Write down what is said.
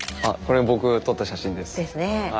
あこれ僕撮った写真です。ですね。